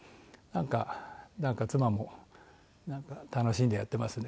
なんか妻も楽しんでやってますね。